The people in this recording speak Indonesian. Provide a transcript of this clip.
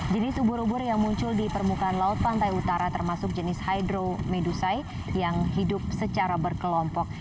jenis ubur ubur yang muncul di permukaan laut pantai utara termasuk jenis hydro medusai yang hidup secara berkelompok